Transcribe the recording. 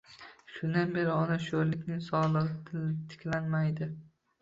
Shundan beri ona sho`rlikning sog`ligi tiklanmaydi